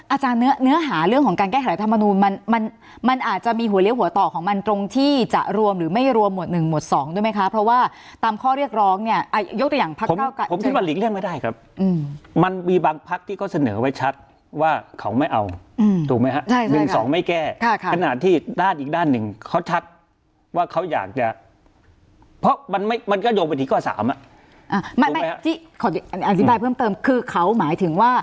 อาจารย์เนื้อเนื้อหาเรื่องของการแก้ไหลธรรมนูมันมันมันอาจจะมีหัวเลี้ยวหัวต่อของมันตรงที่จะรวมหรือไม่รวมหมดหนึ่งหมดสองด้วยไหมคะเพราะว่าตามข้อเรียกร้องเนี้ยอ่ะยกตัวอย่างพักเก้าการผมผมที่ผลิกเรียกไม่ได้ครับอืมมันมีบางพักที่เขาเสนอไว้ชัดว่าเขาไม่เอาอืมถูกไหมฮ